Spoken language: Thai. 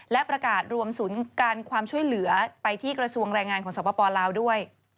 และประกาศรวมศูนย์การความช่วยเหลือไปที่กระทรวงแรงงานของสปลาวด้วย